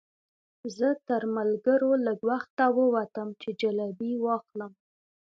زه تر ملګرو لږ وخته ووتم چې جلبۍ واخلم.